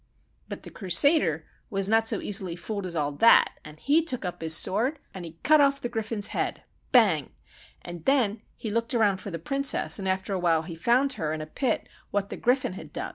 "But the Crusader was not so easily fooled as all that, and he took up his sword, an' he cut off the Griffin's head! bang!! And then he looked around for the Princess, an' after a while he found her in a pit what the Griffin had dug.